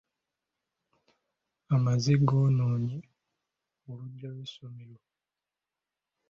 Amazzi goonoonye oluggya lw'essomero.